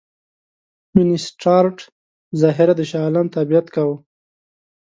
وینسیټارټ په ظاهره د شاه عالم تابعیت کاوه.